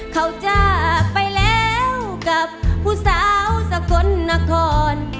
เขาจากไปแล้วกับผู้สาวสกลนคร